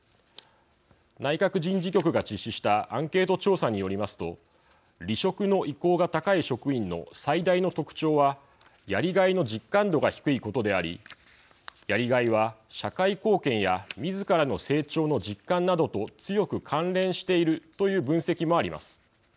内閣人事局が実施したアンケート調査によりますと離職の意向が高い職員の最大の特徴はやりがいの実感度が低いことでありやりがいは社会貢献やみずからの成長の実感などと強く関連しているという分析もあります。